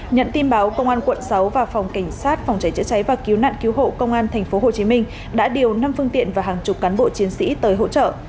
nhận tin báo công an quận sáu và phòng cảnh sát phòng cháy chữa cháy và cứu nạn cứu hộ công an tp hcm đã điều năm phương tiện và hàng chục cán bộ chiến sĩ tới hỗ trợ